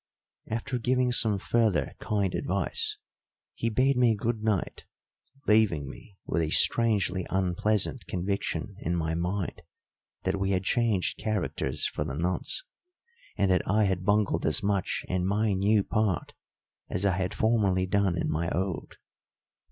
After giving some further kind advice, he bade me good night, leaving me with a strangely unpleasant conviction in my mind that we had changed characters for the nonce, and that I had bungled as much in my new part as I had formerly done in my old.